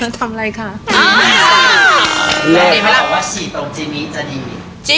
เอาไม่รู้หว่าฉีดตรงชิมิซิจะดี